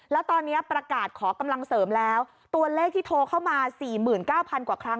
แล้วตอนนี้ประกาศขอกำลังเสริมแล้วตัวเลขที่โทรเข้ามา๔๙๐๐กว่าครั้ง